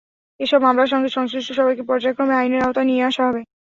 এসব মামলার সঙ্গে সংশ্লিষ্ট সবাইকে পর্যায়ক্রমে আইনের আওতায় নিয়ে আসা হবে।